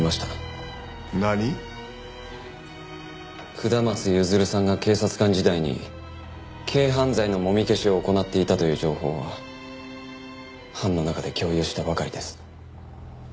下松譲さんが警察官時代に軽犯罪のもみ消しを行っていたという情報は班の中で共有したばかりです。